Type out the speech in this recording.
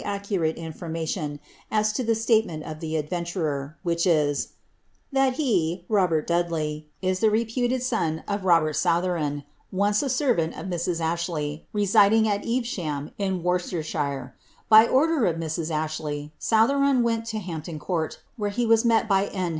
73 acciinte iDfonnation as to the statement of the adventurer, which is, ^ that he, Robert Dudley, is the reputed son of Robert Sotheron, once a servant of Mrs. Ashley, residing at Evesham, in Worcestershire. By order of Mrs. Ashley, Sotheron went to Hampton Court, where he was met by N.